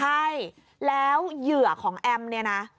ใช่แล้วเหยื่อของแอมเนี่ยนะ